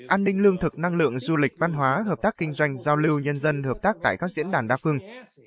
an ninh lương thực năng lượng du lịch văn hóa hợp tác kinh doanh giao lưu nhân dân hợp tác tại các diễn đàn đa phương